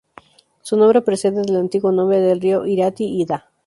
Su nombre procede del antiguo nombre del río Irati, "Ida".